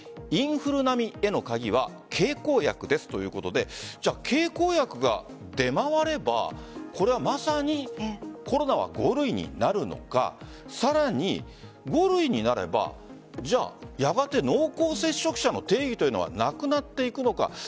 インフル並みへの鍵は経口薬ですということで経口薬が出回ればこれはまさにコロナは５類になるのかさらに、５類になればやがて濃厚接触者の定義というのはなくなっていくのか。